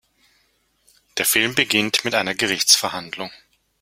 Der Film beginnt mit einer Gerichtsverhandlung.